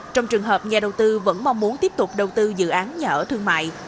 trong trường hợp nhà đầu tư vẫn mong muốn tiếp tục đầu tư dự án nhà ở thương mại